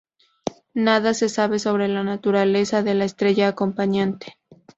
Nada se sabe sobre la naturaleza de la estrella acompañante.